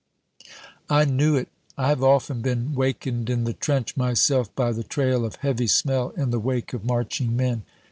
I knew it. I have often been wakened in the trench myself by the trail of heavy smell in the wake of marching men.